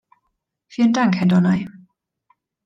Vielen Dank, Herr Donnay.